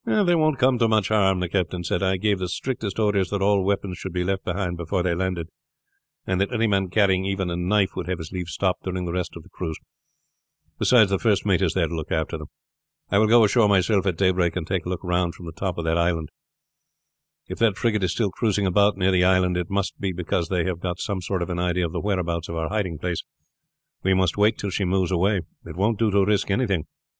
"They won't come to much harm," the captain said. "I gave the strictest orders that all weapons should be left behind before they landed, and that any man carrying even a knife would have his leave stopped during the rest of the cruise. Beside, the first mate is there to look after them. I will go ashore myself at daybreak and take a look round from the top of that hill. If that frigate is still cruising about near the island it must be because they have got some sort of an idea of the whereabouts of our hiding place. We must wait till she moves away. It won't do to risk anything."